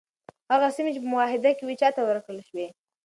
هغه سیمي چي په معاهده کي وي چاته ورکړل شوې؟